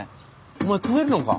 お前食えるのか。